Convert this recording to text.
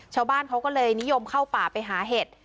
ชาวบ้านเขาก็เลยนิยมเข้าป่าไปหาเห็ด